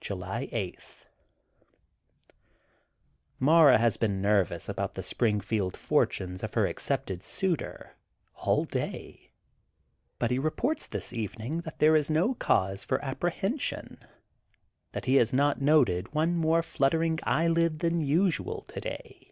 July 8: — Mara has been nervous about the Springfield fortunes of her accepted suitor all day, but he reports this evening that there is no cause for apprehension, that he has not noted one more fluttering eyelid than usual to day.